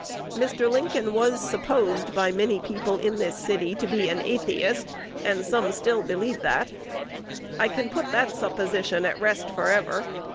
Mr. Lincoln was supposed, by many people in this city, to be an atheist; and some still believe it. I can put that supposition at rest forever.